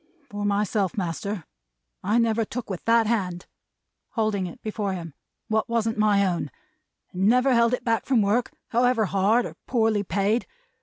For myself, master, I never took with that hand" holding it before him "what wasn't my own; and never held it back from work, however hard, or poorly paid.